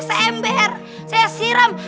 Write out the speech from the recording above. saya ember saya siram